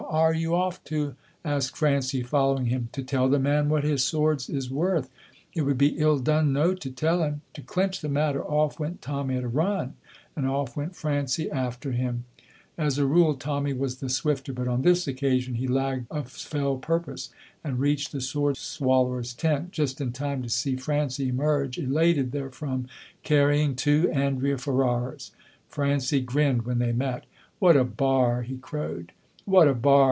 "Whaur are you off to?" asked Francie, following him. "To tell the man what his swords is worth. It would be ill done no to tell him." To clinch the matter, off went Tommy at a run, and off went Francie after him. As a rule Tommy was the swifter, but on this occasion he lagged of fell purpose, and reached the sword swallower's tent just in time to see Francie emerge elated therefrom, carrying two Andrea Ferraras. Francie grinned when they met. "What a bar!" he crowed. "What a bar!"